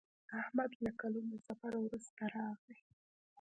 احمد له کلونو سفر وروسته راغی.